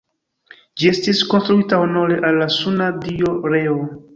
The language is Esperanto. Ĝi estis konstruita honore al la suna dio Reo.